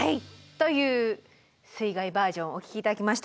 という水害バージョンお聴き頂きました。